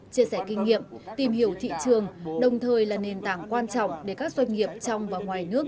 chia sẻ kinh nghiệm tìm hiểu thị trường đồng thời là nền tảng quan trọng để các doanh nghiệp trong và ngoài nước